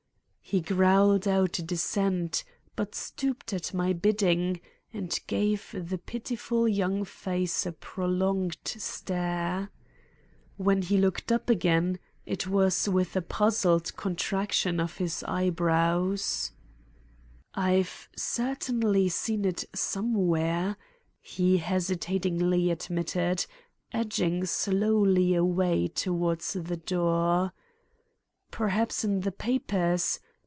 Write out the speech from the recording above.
He growled out a dissent, but stooped at my bidding and gave the pitiful young face a pro longed stare. When he looked up again it was with a puzzled contraction of his eyebrows. "I've certainly seen it somewhere," he hesitatingly admitted, edging slowly away toward the door. "Perhaps in the papers.